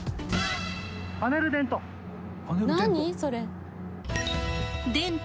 パネルデント。